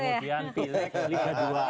kemudian pileg itu liga dua